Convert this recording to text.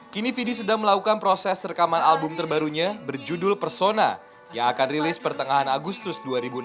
kini fidi sedang melakukan proses rekaman album terbarunya berjudul persona yang akan rilis pertengahan agustus dua ribu delapan belas